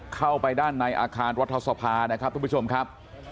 เข้าไปด้านในอาคารรัฐสภานะครับทุกผู้ชมครับ